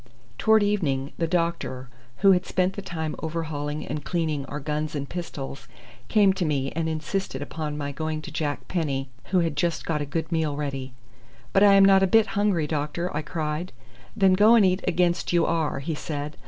Towards evening the doctor, who had spent the time overhauling and cleaning our guns and pistols, came to me and insisted upon my going to Jack Penny, who had just got a good meal ready. "But I am not a bit hungry, doctor," I cried. "Then go and eat against you are," he said.